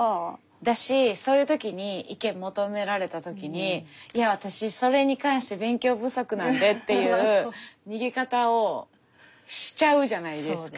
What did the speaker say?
だしそういう時に意見求められた時にいや私それに関して勉強不足なんでっていう逃げ方をしちゃうじゃないですか。